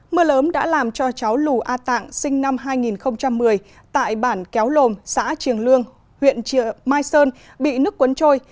mưa lớn đã làm cho cháu lù a tạng sinh năm hai nghìn một mươi tại bản kéo lồm xã triềng lương huyện mai sơn bị nước cuốn trôi